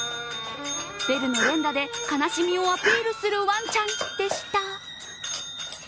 ベルの連打で悲しみをアピールするワンちゃんでした。